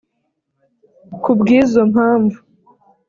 Kubw’izo mpamvu